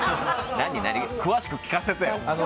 詳しく聞かせてよ。